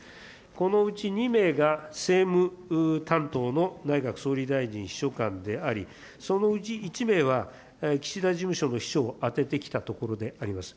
このうち２名が政務担当の内閣総理大臣秘書官であり、そのうち１名は、岸田事務所の秘書を充ててきたところであります。